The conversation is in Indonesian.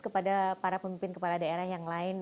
kepada para pemimpin kepala daerah yang lain